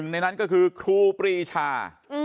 ในนั้นก็คือครูปรีชา